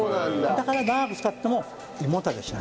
だから長く使っても胃もたれしない。